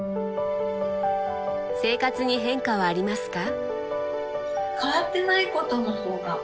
生活に変化はありますか？